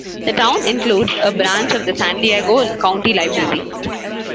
The town includes a branch of the San Diego County Library.